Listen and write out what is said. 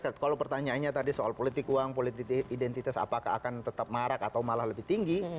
kalau pertanyaannya tadi soal politik uang politik identitas apakah akan tetap marak atau malah lebih tinggi